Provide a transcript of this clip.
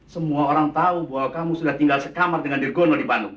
semua orang tahu bahwa kamu sudah tinggal sekamar dengan dirgono di bandung